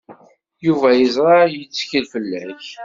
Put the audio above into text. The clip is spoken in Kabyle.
Yuba yeẓra yettkel fell-ak.